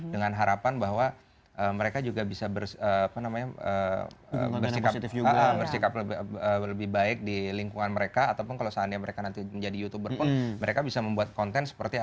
dengan harapan bahwa mereka juga bisa bersikap lebih baik di lingkungan mereka ataupun kalau seandainya mereka nanti menjadi youtuber pun mereka bisa membuat konten seperti apa